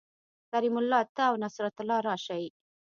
کریم الله ته او نصرت الله راشئ